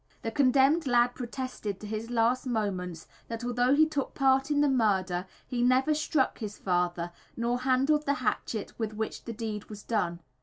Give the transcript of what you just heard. The condemned lad protested, to his last moments, that although he took part in the murder, he never struck his father nor handled the hatchet with which the deed was done.